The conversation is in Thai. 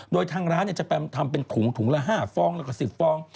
โดยทางร้านจะทำเป็นถุงถุงละ๕ฟองแล้วก็๑๐ฟอง